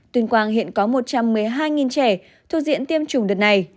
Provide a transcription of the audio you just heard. tuyên quang hiện có một trăm một mươi hai trẻ thuộc diện tiêm chủng đợt này